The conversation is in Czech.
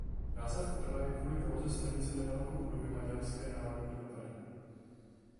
Název Opera je kvůli poloze stanice nedaleko budovy Maďarské národní opery.